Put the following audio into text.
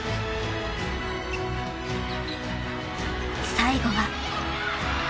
［最後は］